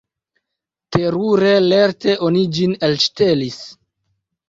Terure lerte oni ĝin elŝtelis.